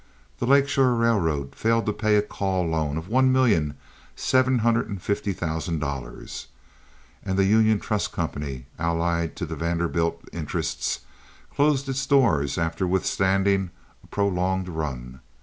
The Lake Shore Railroad failed to pay a call loan of one million seven hundred and fifty thousand dollars; and the Union Trust Company, allied to the Vanderbilt interests, closed its doors after withstanding a prolonged run.